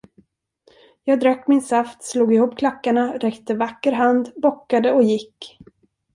Jag drack min saft, slog ihop klackarna, räckte vacker hand, bockade och gick.